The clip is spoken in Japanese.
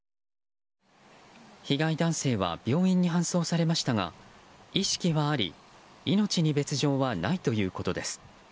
被害男性は病院に搬送されましたが意識はあり命に別条はないということです。